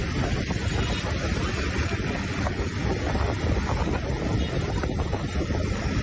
เมื่อก่อนจะรับได้ยังออกไปออกไป